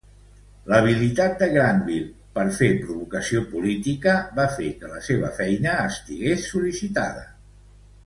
L'habilitat de Grandville per fer provocació política va fer que la seva feina estigués sol·licitada.